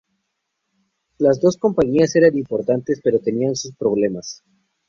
Las dos compañías eran importantes pero tenían sus problemas.